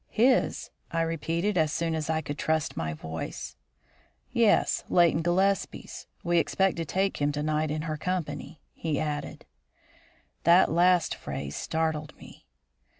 "His?" I repeated, as soon as I could trust my voice. "Yes, Leighton Gillespie's. We expect to take him to night in her company," he added. That last phrase startled me.